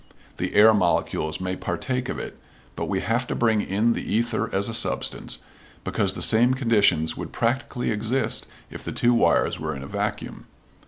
The air molecules may partake of it, but we have to bring in the ether as a substance, because the same conditions would practically exist if the two wires were in a vacuum.